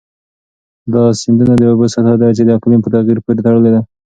دا د سیندونو د اوبو سطحه ده چې د اقلیم په تغیر پورې تړلې.